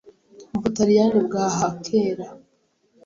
mu Butaliyani bwaha kera